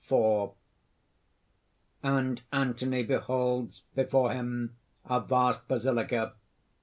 IV (_And Anthony beholds before him a vast basilica.